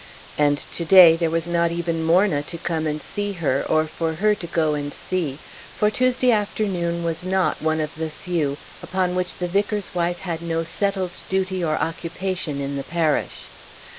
And to day there was not even Morna to come and see her, or for her to go and see, for Tuesday afternoon was not one of the few upon which the vicar's wife had no settled duty or occupation in the parish.